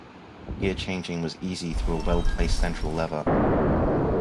Gear changing was easy through a well-placed central lever.